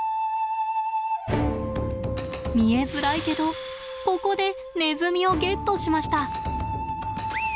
見えづらいけどここでネズミをゲットしました。